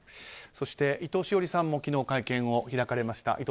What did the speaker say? そして伊藤詩織さんも昨日、会見を開かれました。